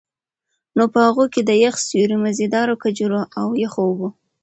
نو په هغو کي د يخ سيُوري، مزيدارو کجورو، او يخو اوبو